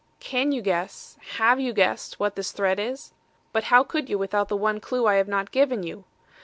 Can you guess have you guessed what this thread is? But how could you without the one clew I have not given you?